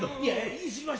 言い過ぎました。